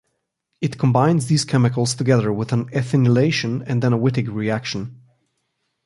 It combines these chemicals together with an ethynylation and then a Wittig reaction.